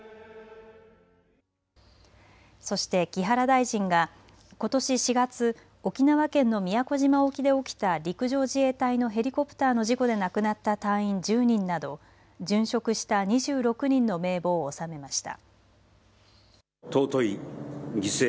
そして木原大臣がことし４月、沖縄県の宮古島沖で起きた陸上自衛隊のヘリコプターの事故で亡くなった隊員１０人など殉職した２６人の名簿を納めました。